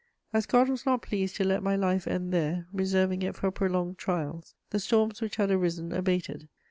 As God was not pleased to let my life end there, reserving it for prolonged trials, the storms which had arisen abated.